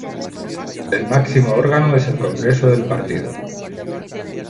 El máximo órgano es el congreso del partido.